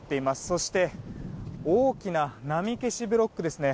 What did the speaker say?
そして大きな波消しブロックですね。